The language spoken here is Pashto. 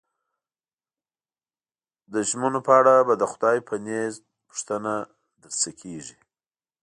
د ژمنو په اړه به د خدای په نزد پوښتنه درنه کېږي.